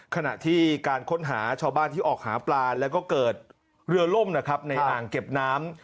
ขณะที่การค้นหาชาวบ้านที่ออกหาปลาแล้วก็เกิดเรือล่มนะครับในอ่างเก็บน้ำ